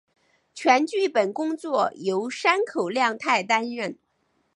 全剧本工作由山口亮太担任。